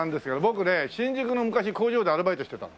僕ね新宿の昔工場でアルバイトしてたの。